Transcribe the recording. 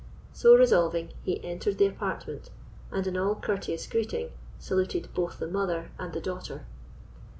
So resolving, he entered the apartment, and, in all courteous greeting, saluted both the mother and the daughter.